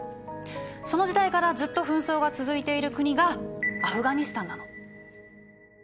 その時代からずっと紛争が続いている国がアフガニスタンなの。